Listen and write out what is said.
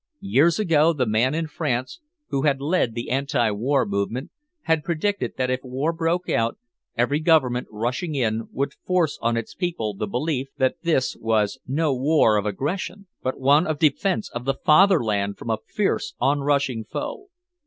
Years ago the man in France, who had led the anti war movement, had predicted that if war broke out every government rushing in would force on its people the belief that this was no war of aggression but one of defense of the fatherland from a fierce onrushing foe.